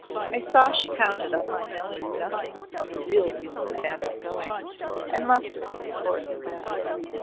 I saw she counted on my knowing nothing of the real reason of Vanna's going and left it, of course, at that.